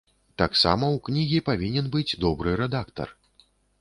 Таксама ў кнігі павінен быць добры рэдактар.